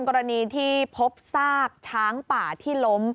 กรณีที่พบซากช้างป่าที่ล้ม